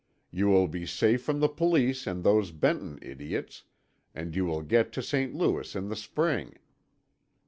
You will be safe from the Police and those Benton idiots; and you will get to St. Louis in the spring.